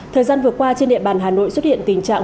thời gian vừa qua trên địa bàn hà nội xuất hiện tình trạng